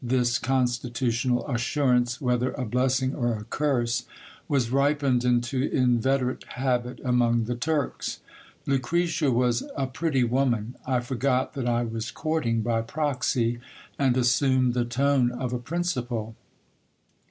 This constitutional assurance, whether a blessing or a curse, was ripened into inveterate habit among the Turks. Lucretia was a pretty woman. I forgot that I was courting by proxy, and assumed the tone of a principal.